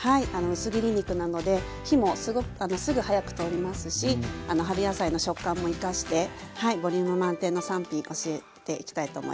薄切り肉なので火もすぐ早く通りますし春野菜の食感も生かしてボリューム満点の３品教えていきたいと思います。